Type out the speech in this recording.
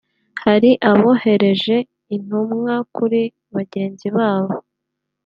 hari abohereje intumwa kuri bagenzi babo